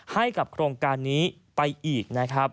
ให้กับโครงการนี้ไปอีก